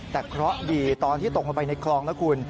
แต่เคราะห์ดีตอนที่ตกลงไปในคลองนะคุณ